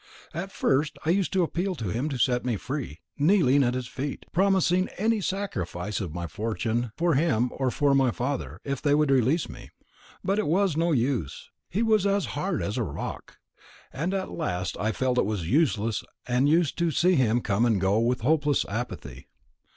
At first I used to appeal to him to set me free kneeling at his feet, promising any sacrifice of my fortune for him or for my father, if they would release me. But it was no use. He was as hard as a rock; and at last I felt that it was useless, and used to see him come and go with hopeless apathy.